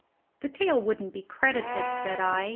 "The tale wouldn't be credited," said I.